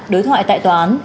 đối thoại tại tòa án